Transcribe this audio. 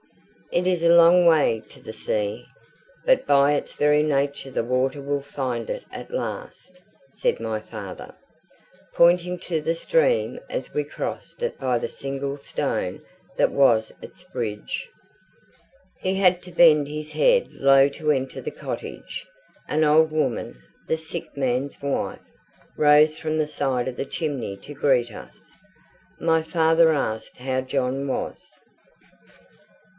"It is a long way to the sea, but by its very nature the water will find it at last," said my father, pointing to the stream as we crossed it by the single stone that was its bridge. He had to bend his head low to enter the cottage. An old woman, the sick man's wife, rose from the side of the chimney to greet us. My father asked how John was.